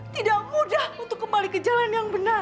tidak mudah untuk kembali ke jalan yang benar